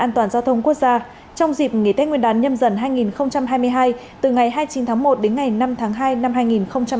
trong dịp nghỉ tết nguyên đán nhâm dần hai nghìn hai mươi hai từ ngày hai mươi chín tháng một đến ngày năm tháng hai năm hai nghìn hai mươi hai